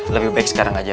lebih baik sekarang aja